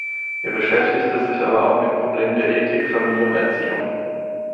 Er beschäftigte sich aber auch mit Problemen der Ethik, Familie und Erziehung.